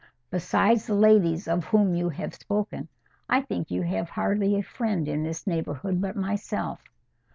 Besides the ladies of whom you have spoken, I think you have hardly a friend in this neighbourhood but myself.